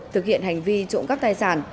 thực hiện hành vi trộn cắp tài sản